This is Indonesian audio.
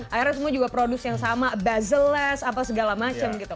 akhirnya semua juga produce yang sama bezel less apa segala macem gitu